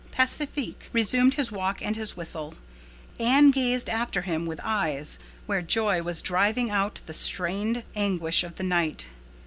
Pacifique resumed his walk and his whistle. Anne gazed after him with eyes where joy was driving out the strained anguish of the night.